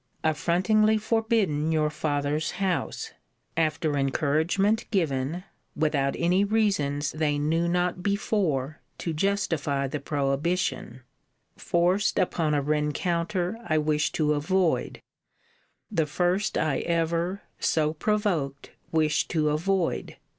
Affrontingly forbidden your father's house, after encouragement given, without any reasons they knew not before to justify the prohibition: forced upon a rencounter I wished to avoid: the first I ever, so provoked, wished to avoid.